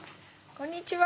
こんにちは。